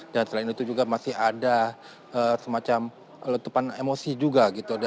dan selain itu juga masih ada semacam letupan emosi juga gitu